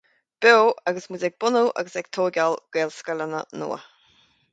Beo agus muid ag bunú agus ag tógáil Gaelscoileanna nua